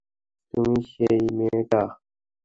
তুমিই সেই মেয়েটা!